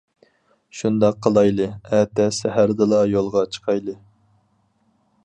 -شۇنداق قىلايلى، ئەتە سەھەردىلا يولغا چىقايلى.